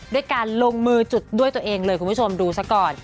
ด้วยการลงมือจุดด้วยตัวเองเลยคุณผู้ชมดูซะก่อน